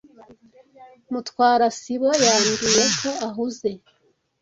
Mutwara sibo yambwiye ko ahuze.